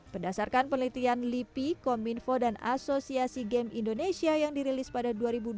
berdasarkan penelitian lipi kominfo dan asosiasi game indonesia yang dirilis pada dua ribu dua puluh